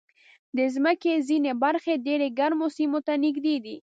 د مځکې ځینې برخې ډېر ګرمو سیمو ته نږدې دي.